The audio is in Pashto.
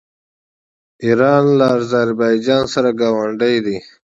ایران له اذربایجان سره ګاونډی دی.